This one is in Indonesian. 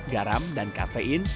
garam dan kafein